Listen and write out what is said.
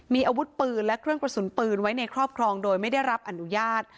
มีอาวุธปืนและเครื่องกระสุนปืนไว้ในครอบครองโดยไม่ได้รับอนุญาต